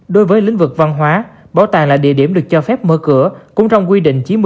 đối với lĩnh vực văn hóa bảo tàng là địa điểm được cho phép mở cửa cũng trong quy định chín mươi